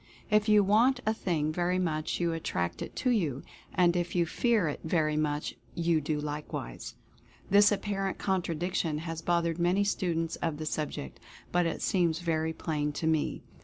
If you want a thing very much you attract it to you — and. if you fear it very much you do likewise. This apparent contradiction has bothered many students of the sub ject, but it seems very plain to me.